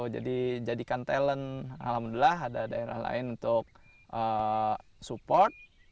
jadi jadikan talent alhamdulillah ada daerah lain untuk support